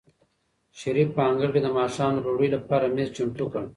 شریف په انګړ کې د ماښام د ډوډۍ لپاره مېز چمتو کړ.